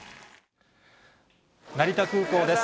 成田空港です。